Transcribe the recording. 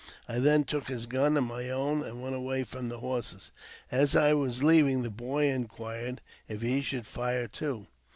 I then took his gun and my own, and went away from the horses. As T was leaving, the boy inquired if he should fire too.